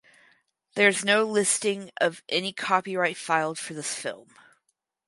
There is no listing of any copyright filed for this film.